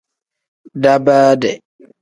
Daabaade.